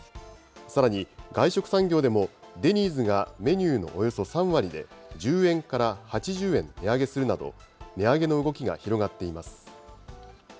さらに外食産業でも、デニーズがメニューのおよそ３割で１０円から８０円値上げするなど、値上げの動きが広がっています。